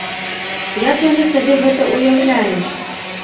Як яны сабе гэта ўяўлялі?